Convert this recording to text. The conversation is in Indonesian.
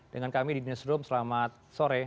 dengan kami di dini serum selamat sore